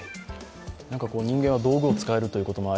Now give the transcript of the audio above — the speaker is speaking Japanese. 人間は道具を使えるということもあり